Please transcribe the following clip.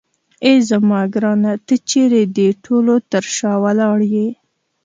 اې زما ګرانه ته چیرې د ټولو تر شا ولاړ یې.